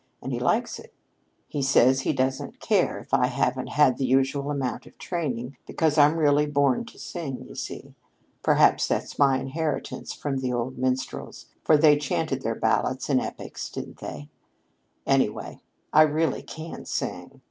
And he likes it. He says he doesn't care if I haven't had the usual amount of training, because I'm really born to sing, you see. Perhaps that's my inheritance from the old minstrels for they chanted their ballads and epics, didn't they? Anyway, I really can sing.